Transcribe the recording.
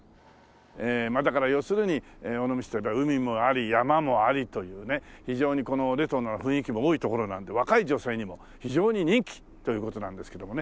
ええだから要するに尾道といえば海もあり山もありというね非常にレトロな雰囲気も多い所なんで若い女性にも非常に人気という事なんですけどもね。